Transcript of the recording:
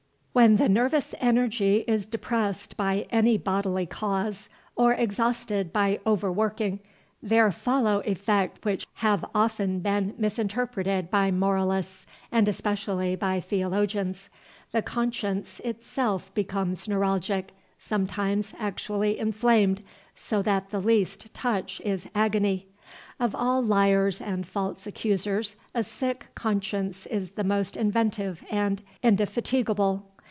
When the nervous energy is depressed by any bodily cause, or exhausted by overworking, there follow effects which have often been misinterpreted by moralists, and especially by theologians. The conscience itself becomes neuralgic, sometimes actually inflamed, so that the least touch is agony. Of all liars and false accusers, a sick conscience is the most inventive and indefatigable.